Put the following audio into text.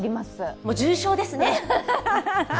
もう重症ですね。